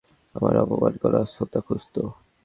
আমারে অপমান করা সোঁতা খুজতো।